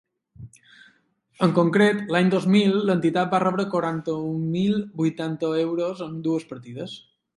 En concret, l’any dos mil l’entitat va rebre quaranta-un mil vuitanta euros en dues partides.